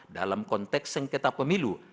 dalam konteks sengketa pemilu